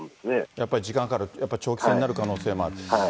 やっぱり時間かかる、やっぱり長期戦になる可能性もある。